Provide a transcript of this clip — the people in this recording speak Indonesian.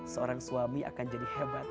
seorang suami akan jadi hebat